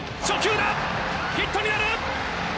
初球だ、ヒットになる。